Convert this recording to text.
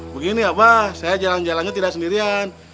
begini apa saya jalan jalannya tidak sendirian